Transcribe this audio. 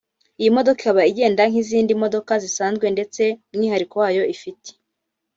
iyi modoka ikaba igenda nk’izindi modoka zisanzwe ndetse umwihariko wayo ifite